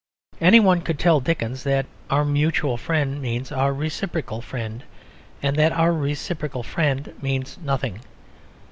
Any one could tell Dickens that "our mutual friend" means "our reciprocal friend," and that "our reciprocal friend" means nothing.